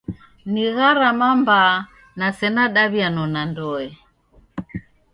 Ni gharama mbaa na sena daw'ianona ndoe.